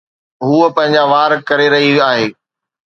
هوءَ پنهنجا وار ڪري رهي آهي